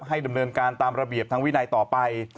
ดำเนินการตามระเบียบทางวินัยต่อไป